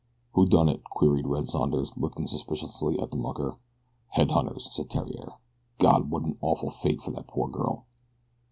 "Who done it?" queried Red Sanders, looking suspiciously at the mucker. "Head hunters," said Theriere. "God! What an awful fate for that poor girl!"